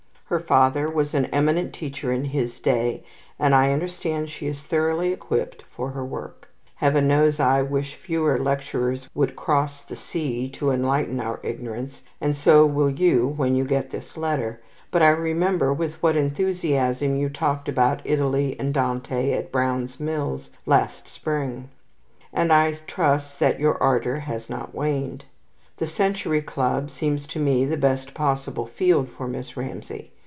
Her father was an eminent teacher in his day, and I understand she is thoroughly equipped for her work. Heaven knows I wish fewer lecturers would cross the sea to enlighten our ignorance, and so will you when you get this letter; but I remember with what enthusiasm you talked about Italy and Dante at Brown's Mills last spring, and I trust that your ardour has not waned. The Century Club seems to me the best possible field for Miss Ramsay.